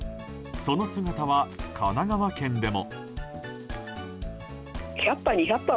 その姿は神奈川県でも。